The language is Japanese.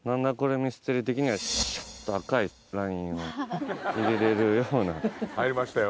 ミステリー』的にはしゅっと赤いラインを入れれるような。